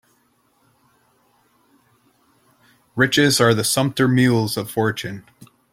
Riches are the sumpter mules of fortune.